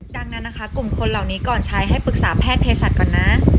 ดังนั้นนะคะกลุ่มคนเหล่านี้ก่อนใช้ให้ปรึกษาแพทย์เพศัตว์ก่อนนะ